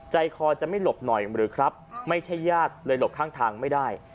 ใจคอจะไม่หลบหน่อยหรือครับไม่ใช่ญาติเลยหลบข้างทางไม่ได้